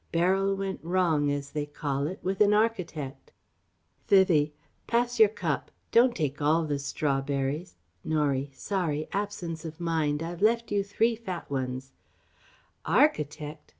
Beryl went wrong, as they call it, with an architect." Vivie: "Pass your cup ... Don't take all the strawberries (Norie: "Sorry! Absence of mind I've left you three fat ones") Architect?